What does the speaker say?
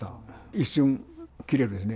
一瞬、切れるんですね。